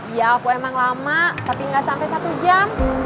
iya aku emang lama tapi nggak sampai satu jam